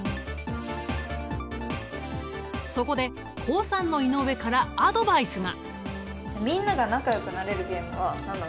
そこで高３の井上からアドバイスが。